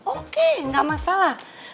oke gak masalah